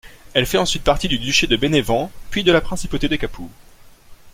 Elle fait ensuite partie du Duché de Bénévent, puis de la Principauté de Capoue.